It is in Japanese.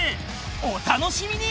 お楽しみに！